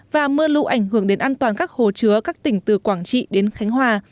và mưa lũ ảnh hưởng đến an toàn các hồ chứa các tỉnh từ quảng trị đến khánh hòa